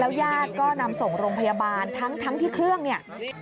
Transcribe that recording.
ญาติก็นำส่งโรงพยาบาลทั้งที่เครื่องเนี่ย